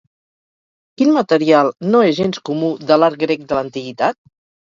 Quin material no és gens comú de l'art grec de l'antiguitat?